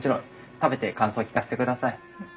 食べて感想聞かせてください。